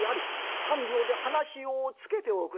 ３両で話をつけておくれ」。